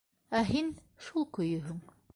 Ә һин... шул көйөһөң.